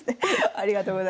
ありがとうございます。